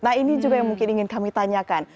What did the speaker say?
nah ini juga yang mungkin ingin kami tanyakan